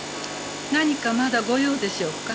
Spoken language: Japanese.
何かまだご用でしょうか？